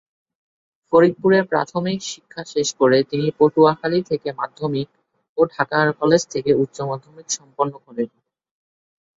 ফরিদপুরে প্রাথমিক শিক্ষা শেষ করে তিনি পটুয়াখালী থেকে মাধ্যমিক ও ঢাকা কলেজ থেকে উচ্চ মাধ্যমিক সম্পন্ন করেন।